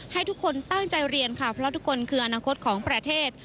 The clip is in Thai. ให้ทุกคนตั้งใจเรียนค่ะเพราะทุกคนคืออนาคตของประเทศ